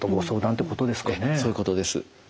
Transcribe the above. そういうことです。